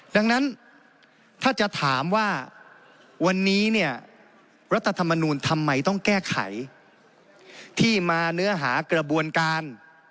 ดังนั้นถ้าจะถามว่าวันนี้เนี่ยรัฐธรรมนูลทำไมต้องแก้ไขที่มาเนื้อหากระบวนการ